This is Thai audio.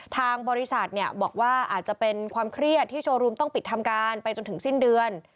ทางบริษัทบอกว่าอาจจะเป็นความเครียดที่โชว์รูมต้องปิดทำการไปจนถึงสิ้นเดือน